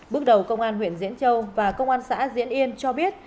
bước đầu công an huyện diễn châu và công an xã diễn yên cho biết